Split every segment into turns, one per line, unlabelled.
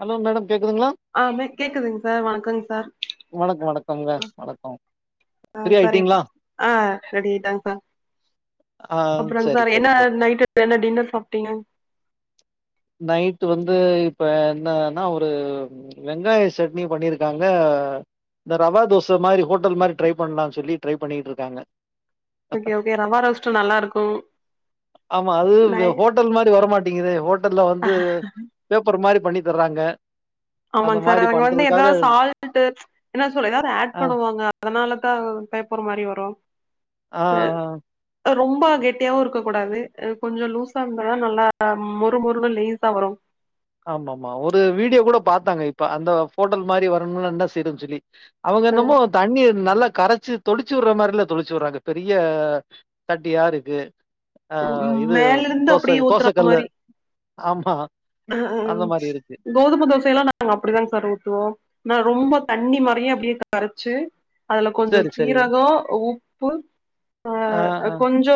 Hello madam கேக்குதுங்களா
ஆமே கேக்குதுங் சார் வணக்கோங் சார்
வணக் வணக்கம்ங்க
ஆ
ஃப்ரீ
பரி
ஆயிட்டீங்களா
ஆ செரி டைங்ஸா
ஆ
அப்றோங்
சரி
சார்
சரி
என்ன
சரி
நைட்டு என்ன டின்னர் சாப்டிங்க
நைட்டு வந்து இப்ப என்னன்னா ஒரு வெங்காய சட்னி பண்ணிருக்காங்க இந்த ரவா தோச மாரி ஹோட்டல் மாரி டிரை பண்லான் சொல்லி டிரை பண்ணிட்டு இருக்காங்க
ஓகே ஓகே ரவா ரோஸ்டு நல்லா இருக்கு
ஆமா அது
நை
ந்த ஹோட்டல் மாரி வரமாட்டிங்கிது ஹோட்டல் அத வந்து பேப்பர் மாரி பண்ணி தர்றாங்க அந்த
ஆமாங் சார்
மாரி
அத அங்கு வந்து ஏதா
பண்றதுக்காக
சால்ட்டு என்ன சொல்ல ஏதாது ஆட்
ஆ
பண்ணுவோங்க அதனால தா பயப்பற மாரி வரு
ஆ
ரொம்ப கெட்டியாவு இருக்க கூடாது கொஞ்சோ லூஸா இருந்ததா நல்லா மொறு மொறுனு லேஸா வரு
ஆமா ஆமா ஒரு வீடியோ கூட பாத்தாங்க இப்ப அந்த ஃபோட்டல் மாரி வரணும்னா எந்த செய்தது சொல்லி அவுங்க
அ
என்னமோ தண்ணி நல்லா கரச்சு தொடுச்சு வுடுற மாரில தொளிச்சு உட்றாங்க பெரிய தட்டியாருக்கு ஆ
ம்
இது
மேல இருந்து
தோச
அப்டியே ஊத்துற
தோசக்கல்லு ஆமா
ஆ ஆ ம்
இருக்கு
கோதும தோசையெல்லா நாங்க அப்டிதான்ங் சார் ஊத்துவோ நா ரொம்ப தண்ணி மாரியே அப்டியே கரச்சு அதுல கொஞ்சோ
சரி சரி
சீரகோ, உப்பு, ஆ
ஆஹ் ஆஹ்.
கொஞ் சோ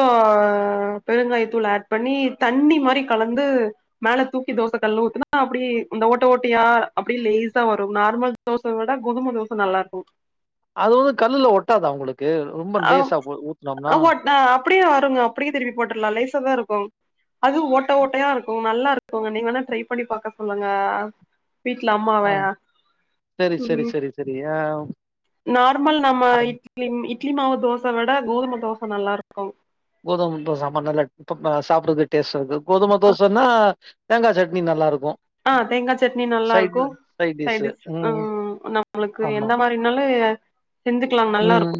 பெருங்காயத்தூள் ஆட் பண்ணி தண்ணி மாரி கலந்து மேல தூக் கி தோச கல்ல ஊத்துனா அப்டியே இந்த ஓட்ட ஓட்டயா அப்டி லேஸா வரு நார்மல் தோச விட கோதும தோச நல்லா இருக்கு
அது வந்து கல்லுல ஒட்டாதா உங்களுக்கு ரொம்ப
ஆ
லேசா போ- ஊத்துனோம்னா
ஒட் ஆ அப்டியே வருங்க அப்டியே திருப்பி போட்ருலா லேசாதா இருக்கு அது ஓட்ட ஓட்டையா இருக்கு நல்லா இருக்குங்க நீங்க வேணா ட்ரை பண்ணி பாக்க சொல்லுங்க வீட்ல அம்மாவயா, ம்
செரியா
நார்மல் நம்ம இட்லி இட்லி மாவு தோச விட கோதும தோச நல்லாருக்
கோதும தோச ஆமா நல்லா இருக்கு இப்ப சாப்ட்றதுக்கு டேஸ்ட்டா இருக்கு கோதும தோசன்னா தேங்கா சட்னி நல்லாருக்கு
ஆ தேங்கா சட்னி நல்லா இருக்கு
சைட் டிஷ்
சைடிஸ் ஆ
ம்
நம்மளுக்கு
ஆமா
எந்த மாரி வேணாலு செஞ்சுக்லா நல்லா
ம்
இருக்கு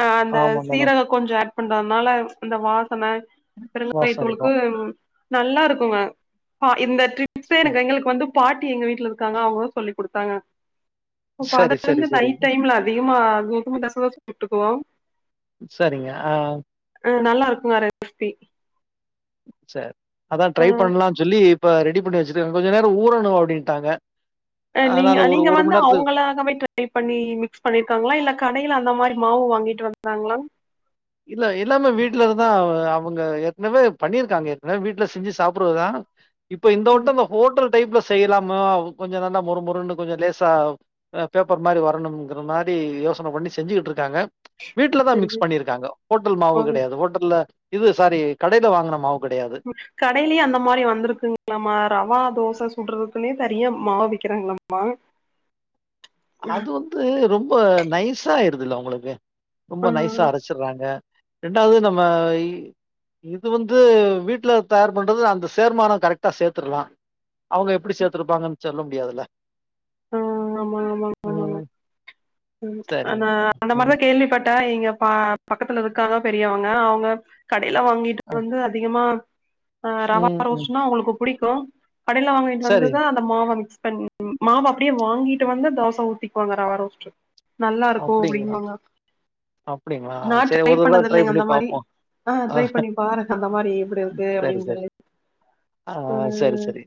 அ, அந்த
ஆமா மேடம்
சீரகோ கொஞ்சோ ஆட் பண்றதுனால அந்த வாசன
வாசம்
பெருங்கயத்தூளுக்கு
இருக்கும்
நல்லா இருக்கு ஆ இந்த ட்ரிக் டிப்ஸ்தா
ச-
எனக்கு எங்களுக்கு வந்து பாட்டி எங்க வீட்ல இருக்காங்க அவுங்கதா சொல்லி குடுத்தாங்க இப்பப்ப அத
சரி சரி
வந்து
சரி
நைட் டைம்ல அதிகமா கோதும தோசதா சுட்டுக்குவோ
சரிங்க ஆ
அ நல்லா இருக்குங்க ரெசிபி
சேரி அதா ட்ரை
ஆ
பண்லான்னு சொல்லி இப்ப ரெடி பண்ணி வச்சிருக்கங்க கொஞ்சோ நேரோ ஊறணு அப்டின்ட்டாங்க
அ நீங்க நீங்க வந்து அவுங்களாகவே ட் ரை பண்ணி மிக்ஸ் பண்ணிருக்காங்ளா இல்ல கடைல அந்த மாரி மாவு வாங்கிட்டு வந்தாங்ளா
இல்ல எல்லாமே வீட்ல இருந்துதா அவ அவுங்க ஏற்கனவே பண்ணிருக்காங்க ஏற்கனவே வீட்ல செஞ்சு சாப்ட்றதுதா இப்ப இந்த
ம்
ஓட்டம் இந்த ஹோட்டல் டைப்ல செய்யலாமா கொஞ்சோ நல்லா மொறுமொறுன்னு கொஞ்சோ லேசா அ பேப்பர் மாரி வரணுங்ற மாரி யோசன பண்ணி செஞ்சிட்டு இருக்காங்க வீட்லதா மிக்ஸ்
செஞ்சு
பண்ணிருக்காங்க ஹோட்டல் மாவு கெடையாது ஹோட்டல்ல இது சாரி கடைல வாங்குன மாவு கெடையாது
கடைலயே அந்த மாரி வந்திருக்குங்ளாமா ரவா தோச சுட்றதுக்குனே தனியா மாவு விக்கிறாங்ளாமா
அது வந்து ரொம்ப நைஸாயிருதுல உங்களுக்கு
ஆ
ரொம்ப நைஸா அரைச்சுட்றாங்க ரெண்டாவது நம்ம இது வந்து வீட்ல தயார் பண்றது அந்த சேர்மானம் கரெக்டா சேத்துர்லா அவுங்க எப்டி சேத்துருப்பாங்கன்னு சொல்ல முடியாதுல
ஆமா ஆமா ஆமாங்க
ம்
ம்
சரிங்க
அந்த
மேடம்
அந்த
ம்
மாரிதா கேள்விப்பட்ட இங்க ப பக்கத்துல இருக்காங்க பெரியவங்க அவுங்க கடைல வாங்கிட்டு
அ
வந்து அதிகமா ஆ ரவா
ம் ம்
ரோஸ்ட்னா அவுங்ளுக்கு புடிக்கு கடைல வாங்கிட்டு வந்து
சரி
தா அந்த மாவ மிக்ஸ் பண்ணி மாவ அப்டியே வாங்கிட்டு வந்து தோச ஊத்திக்குவாங்க ரவா ரோஸ்ட்டு நல்லா இருக்கு
அப்டிங்களா
அப்டிங்பாங்க
அப்டிங்களா
நா
சரி
ட்ரை
ஒரு தடவ
பண்ணது
ட்ரை
இல்லைங்க
பண்ணி
அந்த மாரி
பாப்போ
ஆ ட்ரை பண்ணி பாருங்க அந்த மாரி எப்டி இருக்கு
சரி
அப்டினு
சரி
சொல்லி
ஆ சரி
ம்,
சரி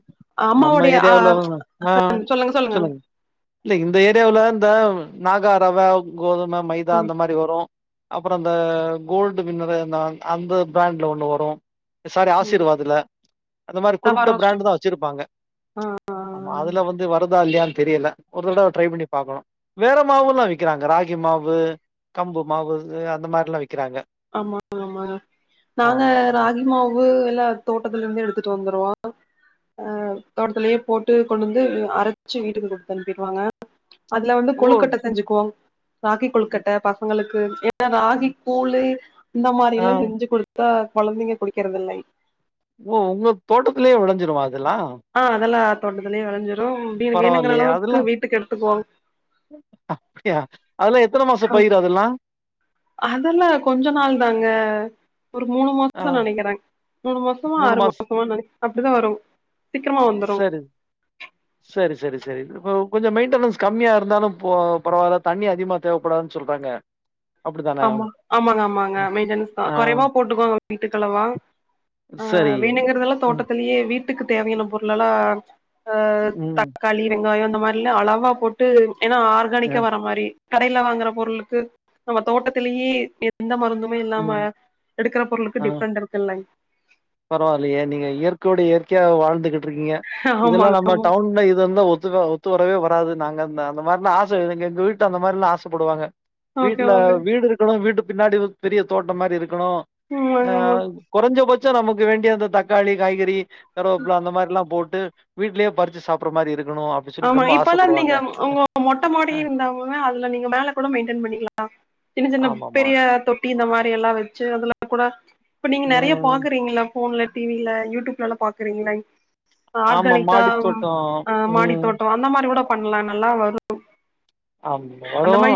நம்ம
அம்மாவுடைய அ
ஏரியாவுல ஆ
அ சொல்லுங்க சொல்லுங்க
இல்ல இந்த ஏரியாவுல இந்த நாகா ரவ, கோதும, மைதா
ம்
அந்த மாரி வரு அப்றோ அந்த கோல்டு வின்னரு அந்த அந்த பிராண்ட்ல ஒன்னு வரு சாரி
ம்
ஆசீர்வாதுல அந்த மாரி
ரவா
குறிப்பிட்ட
ரோஸ்ட்
பிராண்ட்ல தா வெச்சிருப்பாங்க
ஆ ஆ
ஆமா அதுல வந்து வருதா இல்லையானு தெரியல ஒரு தடவ ட்ரை பண்ணி பாக்கணுவேற மாவுலா வி விக்கிறாங்க ராகி மாவு கம்பு மாவு அந்த மாரிலா விக்கிறாங்க
ஆமா ஆமா நாங்க
ஆமா
ராகி மாவு எல்லா தோட்டத்துல இருந்தே எடுத்துட்டு வந்துருவோ ஆ தோட்டத்திலயே போட்டு கொண்டு வந்து அரைச்சு வீட்டுக்கு குடுத்து அனுப்பிருவாங்க அதுல வந்து
ஓ
கொழுக்கட்டை செஞ்சுக்குவோ ராகி கொழுக்கட்ட பசங்களுக்கு ஏன்னா ராகி கூளு இந்த மாரி
ஆ
எல்லா செஞ்சு குடுத்து இப்ப கொழந்தைங்க குடிக்கிறதில்லங்க
ஓ உங்க தோட்டத்திலியே வெளஞ்சிருமா அதெல்லா
ஆ அதெல்லா தோட்டத்துலியே வெளஞ்சிரும் மீதி வேணுங்குற
பரவாயில்லையே
அளவுக்கு வீட்டுக்கு எடுத்துக்குவோங்க
அப்படியா அதெல்லா எத்தன மாசோ பயிரு அதெல்லா
அதெல்லா கொஞ்சோ நாள் தாங்க ஒரு மூணு மாசோ
ஆ
தா நெனைக்கிற மூணு மாசமோ
மூணு
ஆறு
மாச
மாசமோ நெனைக்க அப்படிதா வரு சீக்கிரமா வந்துரு
சரி சரி சரி சரி இப்ப கொஞ்சோ மெயின்டெனன்ஸ் கம்மியா இருந்தாலு பரவால தண்ணி அதிகமா தேவைப்படாதுன்னு சொல்றாங்க அப்டித்தான
ஆமா ஆமாங்க ஆமாங்க மெயின்டனஸ் தா
ஆ
குறைவா போட்டுக்கோங்க வீட்டுக்கு அளவா ஆ
சரி
வேணுங்குறதெல்லா
ம்
தோட்டத்திலியே வீட்டுக்கு தேவையான பொருளெல்லா அ தக்
ம்
தக்காளி வெங்காயோ அந்த மாரிலா அளவா போட்டு ஏனா
அ
ஆர்கானிக்கா வர மாரி கடையில வாங்குற பொருளுக்கு தோட்டத்திலியே எந்த மருந்துமே இல்லாம
ம்
எடுக்குற பொருளுக்கு டிஃப்ரெண்ட் இருக்குல்லங்க
பரவாலியே நீங்க இயற்கையோட இயற்கையா வாழ்ந்துகிட்டு இருக்கீங்க இதெல்லா
ஆமாங்க
நம்ம டவுன்ல இது இருந்தா ஒத்துக்காது ஒத்து வரவே வராது நாங்க அந்த மாரிலா ஆச எதுங்க எங்க வீட்டுல அந்த மாரிலா ஆச படுவாங்க
ஓகே
வீட்ல
ஓகே
வீடு இருக்கணு வீட்டு பின்னாடி பெரிய தோட்டம் மாரி இருக்க இருக்கணு
ம்
ஆ
ஆமா ஆமா
கொறைஞ்சபட்சோ நமக்கு வேண்டிய அந்த தக்காளி காய்கறி கருவேப்புல அந்த மாரில்லா போட்டு வீட்லயே பரிச்சு சாப்டுற மாரி இருக்கணு
ஆமா இப்ப எல்லா நீங்க உங்க மொட்ட மாடி
அ
இருந்தாலுமே அதுல நீங்க மேல கூட மெயின்டென் பண்ணிக்களா சின்ன சின்ன
ஆமாமா.
பெரிய தொட்டி இந்த மாரிலா வெச்சு அதெல்லா கூட இப்ப நீங்க நெறையா
ம்.
பாக்குறீங்கள்ள ஃபோன்ல டி வில யூடியூப்லலா பாக்குறீங்கள
ஆமா மாடி
ஆர்கானிக்காதா
தோட்டம்.
மாடி
ம்.
தோட்டோ அந்த மாரி கூட பண்லா நல்லா வரு
அ வரு
அந்த மாரி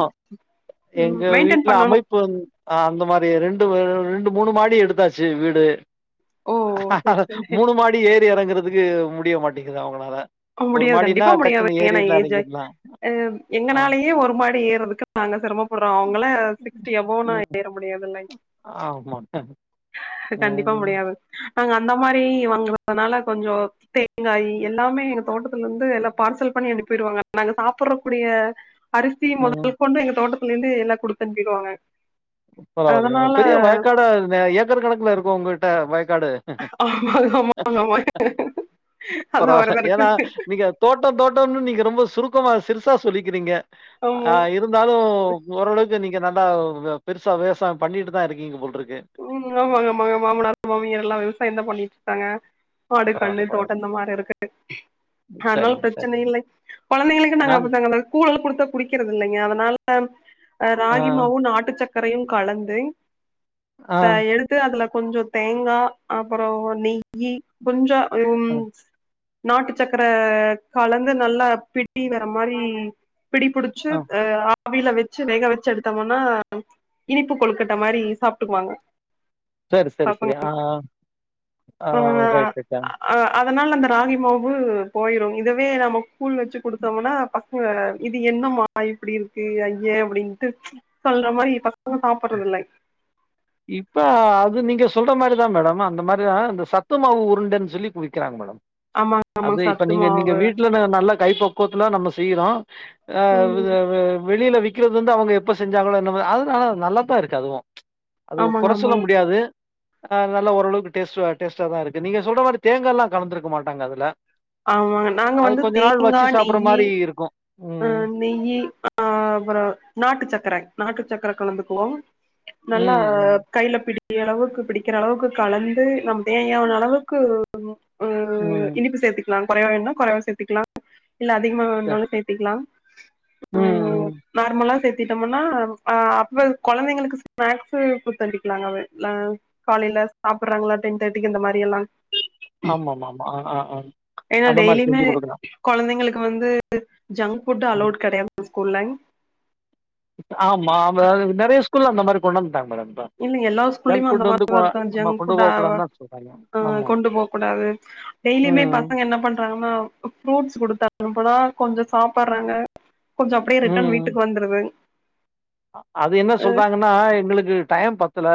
ம்
எங்க
மெயின்டென்
வீட்ல
பண்ணணு
அமைப்பு வந் ஆ அந்த மாரி ரெண்டு ரெண்டு மூணு மாடி எடுத்தாச்சு வீடு
ஓ செரி செரி
மூணு மாடி ஏறி எறங்குறதுக்கு முடிய மாட்டேக்குது அவுங்களால
முடியாது கண்டிப்பா முடியாது ஏனா ஏஜ் ஆய்
எறங்கிர்லாம்.
ஆ
ஆ.
எங்கனாலயே ஒரு மாடி ஏறதுக்கு நாங்க செரம படுறோ அவுங்களா சிக்ஸ்டி எபோ நா
ம்.
ஏற முடியாதுல்லங்க
ஆமா.
கண்டிப்பா
ம்.
முடியாது நாங்க அந்த மாரி வாங்கறதுனால கொஞ்சு தேங்காய் எல்லாமே இருக்கு தோட்டத்துல இருந்து எல்லா பார்சல் பண்ணி அனுப்பிடுவாங்க நாங்க சாப்பிற குடிய அரிசி
ம்.
மொதல் கொண்டு எங்க தோட்டத்துல இருந்து எல்லா குடுத்து அனுப்பிடுவாங்க
பரவால்லையே
அதனால
பெரிய வாயக்காடா என்ன ஏக்கர் கணக்குல இருக்கா உங்கிட்ட வயக்காடு
ஆமாங்க ஆமாங்க ஆமாங்க அதா வரதா இருக்கு
தோட்டோ தோட்டோனு நீங்க ரொம்ப சுருக்கமா சிறுசா சொல்லிக்கிறீங்க
ஆமா
அ இருந்தாலு ஓரளவுக்கு நீங்க நல்லா வ பெருசா விவசாயோ பண்ணிட்டு தா இருக்கீங்க போலிருக்கு
ம் ஆமாங்க மாமா மாமனார் மாமியாரெல்லா விவசாயம் தா பண்ணிட்டுருக்காங்க ஆடு கண்ணு
பரவால்ல,
தோட்டம்
பரவால்ல.
இந்த மாரி இருக்குங்க அதனால
சரிங்க, சரிங்க.
பிரச்சனையே இல்லை கொழந்தைகளுக்கு நாங்க
நாங்
அப்டிதாங்க ப கூழல்ல குடுத்தா குடிக்கிறது இல்லைங்க அதனால அ
ஆ.
ராகிமாவு நாட்டு சக்கரையு கலந்து
ஆ
த எடுத்து அதுல கொஞ்சோ தேங்கா அப்பறோ நெய் யி கொஞ்சோ அ ம்
ஆ
நாட்டு சக்கர கலந்து நல்லா பிடி வர மாரி பிடி பிடிச்சு
ஆ
அ ஆவியில வெச்சு வேக வெச்சு எடுத்தோமனா இனிப்பு கொழுக்கட்ட மாரி சாப்ட்டுக்குவாங்க
சேரி செரி
பசங்க
செரி ஆ ஆ ரைட் ரைட்தா
அ அதனால் அந்த ராகி மாவு போயிரு இதவே நம்ம கூழ் வெச்சு குடுத்தோமனா பச ங்க இது என்னம்மா இப்படி இருக்கு ஐயே அப்படின்ட்டு சொல்ற மாரி பசங்க சாப்பட்றதில்லை
இப்ப அது நீங்க சொல்ற மாரிதா மேடம் அந்த மாரிதா இந்த சத்து மாவு உருண்டன் சொல்லி இப்ப விக்கிறாங்க மேடம்
ஆமாங்க
அது
ஆமாங்க
இப்ப
சத்து
நீங்க நீங்க
மாவு
வீட்லனா நல்லா கைபக்குவத்துல நம்ம செய்யிறோ அ
ம்
அ வெளியில விக் கிறது வந்து அவங்க எப்ப செஞ்சாங்களோ என்னவோ அது நல்லா நல்லா தா இருக்கு அதுவு அது
ஆமாங்க
கொற
ஆமாங்க
சொல்ல முடியாது அ நல்ல ஓரளவுக்கு டேஸ்ட்டு டேஸ்ட்டா தா இருக்கு நீங்க சொல்ற மாரி தேங்கால்லா கலந்துருக்க மாட்டாங்க அதுல
ஆமாங்க நாங்க
அது
வந்து
கொஞ்ச நாள்
தேங்கா
வச்சு சாப்புற
நெய்யி
மாரி இருக்கு
அ நெய்யி அ அப்பறோ நாட்டு சக்கர நாட்டு சக்கர கலந்துக்குவோ நல்லா
ம், ம்,
கைல பிடி அளவுக்கு பிடிக்கிற அளவுக்கு கலந்து நம் தேவையான அளவுக்கு
ம்.
இனிப்பு உ சேத்துக்கலா கொறைவா வேண்னா கொறைவா சேத்துக்லா இல்ல அதிகமா
சரி.
வேணுனாலு சேத்திக்லா ம் நார்மலா சேத் த்திட்டோமன்னா அ அப்ப கொழந்தைங்களுக்கு ஸ்நாக்ஸு குட்த்து அனுப்பிக்லாங்க அ காலையில சாப்பறாங்களா டென் தேட்டிக்கு இந்த மாரி எல்லா
ஆமா ஆமா ஆமா ஆ ஆ ஆ
ஏன்னா
அந்த மாரி
டெய்லியுமே
செஞ்சு குடுக்கலா
கொழந்தைங்களுக்கு வந்து ஜங்க் ஃபுட்டு
ம்.
அலவ்டு கெடையாது ஸ்கூல்ல
இப்ப ஆமா நெறைய ஸ்கூல்ல அந்த மாரி கொண் வந்துட்டாங் மேடம் இப்ப.
இல்ல எல்லா
ஜங்க்
ஸ்கூல்லியுமெ அந்த
ஃபுட் வந்து கொ
மாரிதா இருக்கா
நம்ம
ஜங்க்
கொண்டு
ஃபுட் அ
போகக்கூடாதுன்னு தான் சொல்றாங்க.
அ
ஆமா.
கொண்டு போக்கூடாது டெய்லியுமே
ம்.
பசங்க என்ன பண்றாங்கன்னா ஃப்ரூட்ஸ் குடுத்தணுப்புனா கொஞ்சோ சாப்பற்றாங்க கொஞ்ச அப்டியே ரிட்டன் வீட்டுக்கு வந்துருதுங்
அ அது என்ன சொல்றாங்கன் னா எங்களுக்கு டைம் பத்தல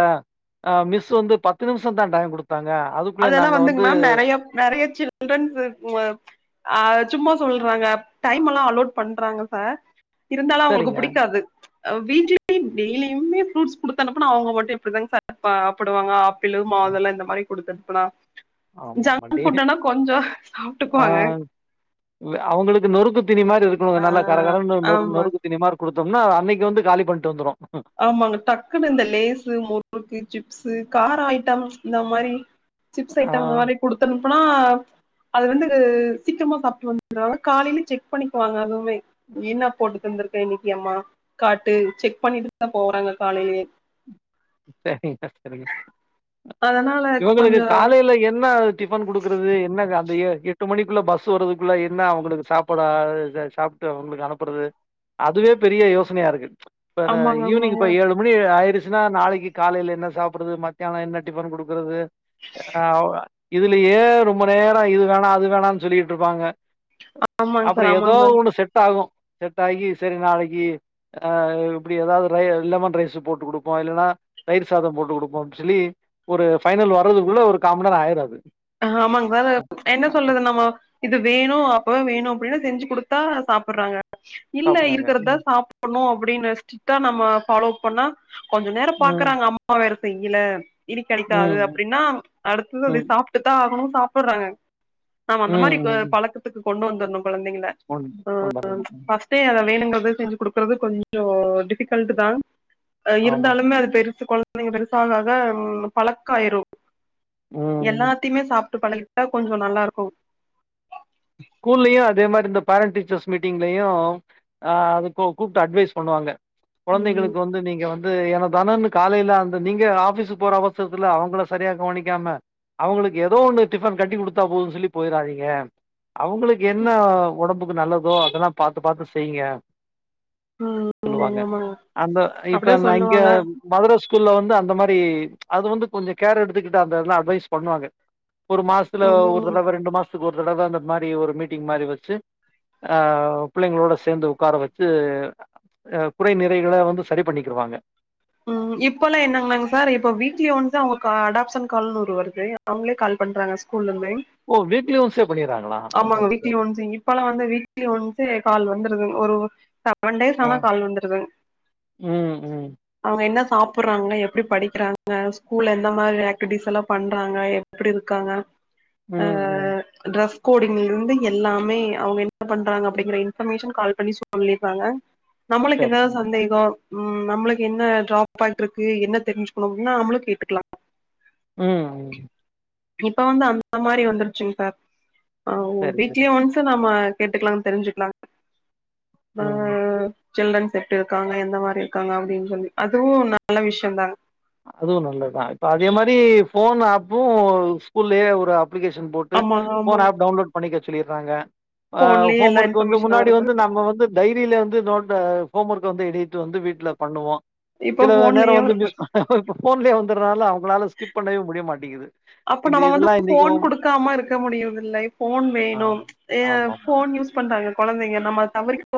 அ மிஸ்ஸு வந்து பத்து நிமிஷோ தா டைம் குடுத்தாங்க அது
அதெல்லா வந்துங் மேம் நெறைய நெறைய சில் சில்ரன்ஸு அ சும்மா சொல்றாங்க டைம் எல்லா அலோட் பண்றாங்க சார் இருந்தாலு அவுங்களுக்கு
சரிங்க.
புடிக்காது அ வீ்ட்லயு டெய்லியுமே ஃப்ரூட்ஸ் குடுத்தனுப்பனா அவுங்க மட்டு எப்டிதாங் சார் அ சாப்பிடுவாங்க அ ப்பிளு
ஆ
மாதுளை இந்த மாரி குடுத்தனுப்புனா
ஆமாமா.
ஜங்க்
டே
ஃபுட்டுனா கொஞ்சோ சாப்ட்டுக்குவாங்க
அவுங்களுக்கு நொறுக்கு தீணி மாரி இருக்கணு
ஆ
நல்லா கரகரணு நொறு
ஆமா
நொறுக்கு தீணி மாரிக் குடுத்தோம்னா அன்னைக்கு வந்து காலி பண்ட்டு வந்துடு
ஆமாங்க டக்குன்னு இந்த லேசு முறுக்கு சிப்ஸு கார ஐட்டம்ஸ் இந்த மாரி சிப்ஸ்
ஆ
ஐட்டம் அது மாரி குடுத்தனுப்புனா அது வந்து இ சீக்கர்மா சாப்ட்டு வந்தனால காலையில செக் பண்ணிக்குவாங்க அதுவுமே என்னா போட்டு தந்திருக்கே இன்னைக்கி அம்மா காட்டு செக் பண்ணிட்டு தா போறாங்க காலையிலே
செரிங்க செரிங்க
அதனால
இவங்களுக்கு
கொஞ்சோ
காலையில என்ன டிபன் குடுக்குறது என்ன அந்த ஏ எட்டு மணிக்குள்ள பஸ் வர்றதுக்குள்ள என்ன அவங்களுக்கு சாப்ட இது சாப் எடுத்து அவங்களுக்கு அனுப்புறது அதுவே பெரிய யோசனையா இருக்கு இப்ப இந்த
ஆமாங்க
ஈவினிங்
ஆமாங்க
இப்ப ஏழு மணி ஆயிடுச்சுன்னா நாளைக்கு காலேல என்ன சாப்டுறது மத்தியானோ என்ன டிபன் குடுக்குறது ஆமா இதுலயே ரொம்ப நேரோ இது வேணா அது வேணான்னு சொல்லிட்டு இருப்பாங்க
ஆமாங்க
அப்பறோ
சார்
ஏதோ
ஆமாங்க சார்
ஒண்ணு செட் ஆகு செட்டாகி செரி நாளைக்கி ஆ இப்டி ஏதாவது ரை லெமன் ரைஸு போட்டு குடுப்போ இல்லன்னா தயிர் சாதோ போட்டு குடுப்போன்னு சொல்லி ஒரு ஃபைனல் வர்றதுக்குள்ள ஒரு காம்மண் நேரோ ஆயிரு அது
ஆமாங்க சார் என்ன சொல்றது நம்ம இது வேணு அப்பதா வேணு அப்டின்னா செஞ்சு குடுத்தா சாப்டுறாங்க இல்ல
சாப்புட்றாங்க
இருக்கறதா
ம்
சாப் டனு அப்டின்னு ஸ்ட்ரிக்டா நம்ம ஃபாலோ பண்ணா கொஞ்ச நேரோ
ம்
பாக்குறாங்க அம் மா வேற செய்யல இனி கெடைக்காது
ம்
அப்டின்னா அடுத்தது வந்து
ம்
சாப் ட்டுதா ஆகணு சாப்ட்றாங்க நாம அந்த
ம்
மாரி
ம் ம்
பழக்கத்துக்கு கொண்டு வந்துர்ணு கொழந்தைங்கள
உண்
ஆ
உண்மதாங்க ம்
ஃபர்ஸ்ட்டே அத வேணுங்கிறத செஞ்சு குடுக்கறது கொஞ்சோ டிஃபிகல்ட்தா ஆ
ஆமாங்க
இருந்தாலுமே அது பெருசு குழந்தைங்க பெருசாக ஆக பழக்கோ ஆயிரு
ம்
எல்லாத்தயுமே சாப்ட்டு பழகிட்டா கொஞ்சோ நல்லா இருக்கு
ஸ்கூல்லயு அதே மாரி இந்த பேரண்ட் டீச்சர்ஸ் மீட்டிங்லையு ஆ அது கூ கூப்ட்டு அட்வைஸ் பண்ணுவாங்க
ம்
கொழந்தைகளுக்கு வந்து நீங்க வந் து ஏனோ தானோன்னு காலேல அந்த நீங்க ஆபிஸுக்கு போற அவசரத்துல அவங்கள சரியா கவனிக்காம அவங்களுக்கு ஏதோ ஒண்ணு டிஃபன் கட்டி குடுத்தா போதுன்னு சொல்லி போய்றாதீங்க அவங்களுக்கு என்ன ஒடம்புக்கு நல்லதோ அதெல்லா பாத்து பாத்து செய்ங்க
ம்
சொல்லுவாங்க
ஆமாங்க ஆமாங்க
அந்த இப்ப
அப்டிதா
அந்த அங்க
சொல்லுவாங்க
மதுர ஸ்கூல்ல வந்து அந்த மாரி அது வந்து கொஞ்சோ கேர் எடுத்துகிட்டு அந்த இதெல்லா அட்வைஸ் பண்ணுவாங்க ஒரு மாசத்துல ஒரு
ம்
தடவ ரெண்டு மாசத்துக்கு ஒரு தடவ அந்த மாரி ஒரு மீட்டிங் மாரி வச்சி ஆ பிள்ளைங்களோட சேந்து உக்கார வச்சு ஆ குறை நிறைகளை வந்து சரி பண்ணிக்கிருவாங்க
ம் இப்பல்லா என்னங்கனாங்க சார் இப்ப வீக்லி ஒன்ஸ் அவங்க கா அடாப்ஷன் கால்னு ஒன்னு வருது அவங்களே கால் பண்றாங்க ஸ்கூல்ல இருந்தே
ஓ வீக்லி ஒன்சே பண்ணீர்றாங்களா
ஆமாங்க வீக்லி ஒன்ஸ் இப்பல்லா வந்து வீக்லி ஒன்சே கால் வந்துருதுங்க ஒரு செவன் டேஸ்
ஆ
ஆனா கால் வந்துருதுங்க
ம் ம்
அவுங்க என்ன சாப்டுறாங்க எப்டி படிக்கிறாங்க ஸ்கூல்ல எந்த மாரி ஆக்டிவிட்டிஸ் எல்லா பண்றாங்க எப்படி இருக்காங்க ஆ
ம் ம்
ட்ரெஸ் கோடிங்ல இருந்து எல்லாமே அவங்க என்ன பண்றாங்க அப்டிங்கிற இன்பர்மேஷன் கால் பண்ணி சொல்லிர்றாங்க நம்மளுக்கு
சரி
ஏதாவது சந்தேகோ ம் நம்மளுக்கு என்ன ட்ரா பேக் இருக்கு என்ன தெரிஞ்சுக்கணு அப்டின்னா நம்ளு கேட்டுக்கலா
ம் ம்
இப்ப வந்து அந்த மாரி வந்துருச்சுங்க சார் ஆ
சரி சரி
வீக்லி ஒன்ஸ் நம்ம கேட்டுக்கலா தெரிஞ்சுக்கலா ஆ
ம்
சில்ரன்ஸ் எப்டி இருக்காங்க எந்த மாரி இருக்காங்க அப்டின்னு சொல்லி அதுவு நல்ல விஷயந்தாங்க
அதுவு நல்லதுதா இப்ப அதே மாரி ஃபோன் ஆப்பு ஸ்கூல்லயே ஒரு அப்ளிகேஷன் போட் டு
ஆமா ஆமா
ஃபோன் ஆப் டவுன்லோட் பண்ணிக்க சொல்லிர்றாங்க ஆ
போன்லயே
ஹோம்
எல்லா
ஒர்க் வந்து
இன்ஃபர்மேஷனு
முன்னாடி
வருது
வந்து நம்ம வந்து டைரில வந்து நோட் ஹோம் ஒர்க் வந்து எழுதிட்டு வந்து வீட்ல பண்ணுவோ
இப்போ
சில நேரோ
போன்லயே
வந்து
வருது
மிஸ் இப்ப ஃபோன்லயே வந்துர்றனால அவங்களால ஸ்கிப் பண்ணவே முடிய மாட்டேங்கிது
அப்ப நம்ம வந்து ஃபோன் குடுக்காம இருக்க முடியர்து இல்ல ஃபோன் வேணு
ஆமா,
ஏ
ஆமாமா.
போன்யூஸ் பண்றாங்க கொழந்தைங்க நம்ம தவிர்க்கவு